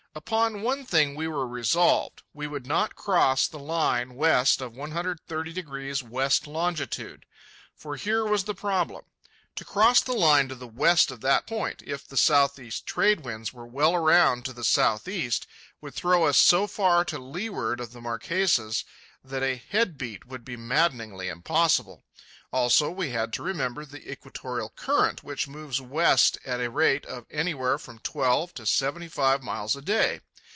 Upon one thing we were resolved: we would not cross the Line west of 130° west longitude. For here was the problem. To cross the Line to the west of that point, if the southeast trades were well around to the southeast, would throw us so far to leeward of the Marquesas that a head beat would be maddeningly impossible. Also, we had to remember the equatorial current, which moves west at a rate of anywhere from twelve to seventy five miles a day.